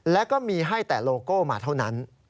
และก็มีให้แต่โลโก้มาเท่านั้น